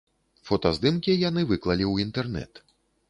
Фотаздымкі яны выклалі ў інтэрнэт.